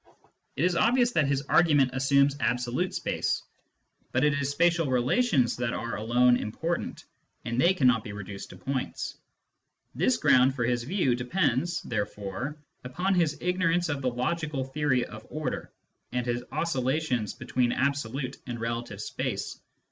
It is obvious that his argument Digitized by Google THE PROBLEM OF INFINITY 159 assumes absolute space ; but it is spatial relations that are alone important, and they cannot be reduced to points. This ground for his view depends, therefore, upon his ignorance of the logical theory of order and his oscilla tions between absolute and relative space.